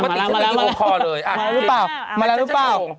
มาแล้วมาแล้ว